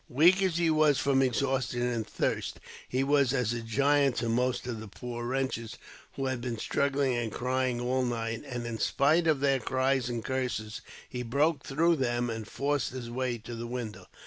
Weak as he was from exhaustion and thirst, he was as a giant to most of the poor wretches, who had been struggling and crying all night; and, in spite of their cries and curses, he broke through them and forced his way to the window.